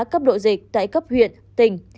cấp độ dịch tại cấp huyện tỉnh